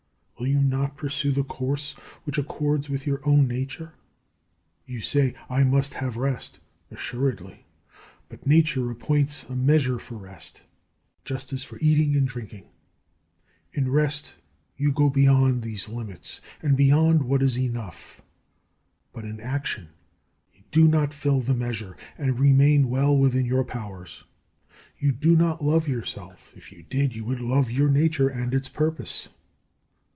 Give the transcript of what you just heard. Will you not pursue the course which accords with your own nature? You say, "I must have rest." Assuredly; but nature appoints a measure for rest, just as for eating and drinking. In rest you go beyond these limits, and beyond what is enough; but in action you do not fill the measure, and remain well within your powers. You do not love yourself; if you did, you would love your nature and its purpose.